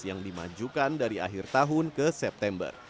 yang dimajukan dari akhir tahun ke september